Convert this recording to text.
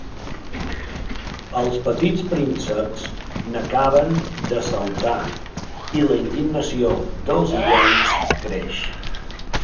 Els petits prínceps n'acaben de saltar i la indignació dels illencs creix.